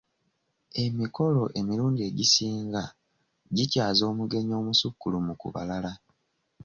Emikolo emirundi egisinga gikyaza omugenyi omusukkulumu ku balala.